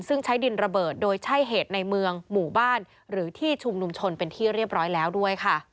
ซึ่งใช้ดินระเบิดโดยใช่เหตุในเมืองหมู่บ้านหรือที่ชุมนุมชนเป็นที่เรียบร้อยแล้วด้วยค่ะ